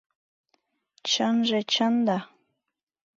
Чынже... чын да.